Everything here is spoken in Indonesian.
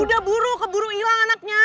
udah buru keburu hilang anaknya